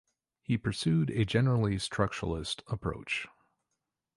He pursued a generally structuralist approach.